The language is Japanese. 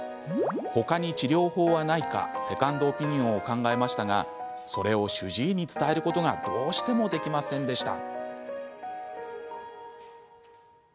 他に治療法はないかセカンドオピニオンを考えましたがそれを主治医に伝えることがどうしてもできませんでした。